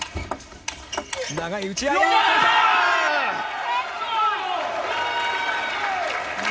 長い打ち合い。